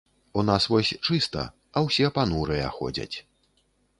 У нас вось чыста, а ўсе панурыя ходзяць.